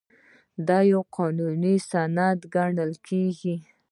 دا یو قانوني سند ګڼل کیږي.